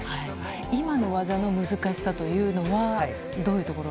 今の技の難しさというのは、どういうところ？